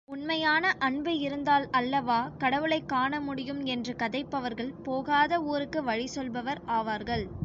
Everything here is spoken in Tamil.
உண்மையான அன்பு இருந்தால் அல்லவா கடவுளைக் காண முடியும் என்று கதைப்பவர்கள், போகாத ஊருக்கு வழி சொல்பவர் ஆவார்கள்!